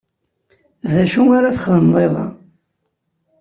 D acu ara txedmeḍ iḍ-a?